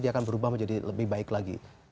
dia akan berubah menjadi lebih baik lagi